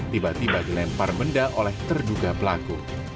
tiba tiba dilempar benda oleh terduga pelaku